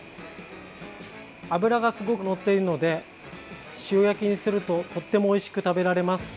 脂がすごくのっているので塩焼きにするととてもおいしく食べられます。